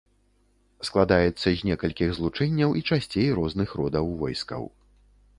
Складаецца з некалькіх злучэнняў і часцей розных родаў войскаў.